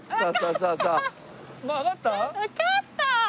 わかった！